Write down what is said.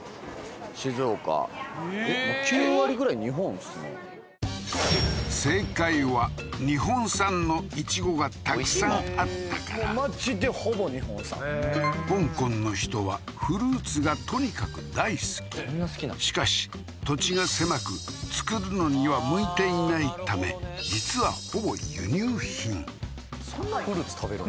静岡正解は日本産のイチゴがたくさんあったからマジでほぼ日本産香港の人はフルーツがとにかく大好きしかし土地が狭く作るのには向いていないため実はほぼ輸入品そんなフルーツ食べるん？